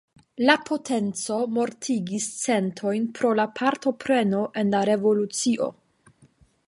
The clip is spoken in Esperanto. La potenco mortigis centojn pro la partopreno en la revolucio.